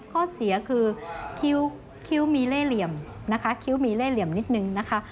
ข้อเสียคือคิ้วมีเล่เหลี่ยมนะคะคิ้วมีเล่เหลี่ยมนิดนึงนะคะ